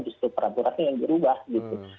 justru peraturannya yang dirubah gitu